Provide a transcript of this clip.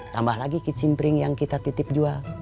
tambah lagi kicimpring yang kita titip jual